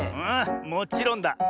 ああもちろんだ！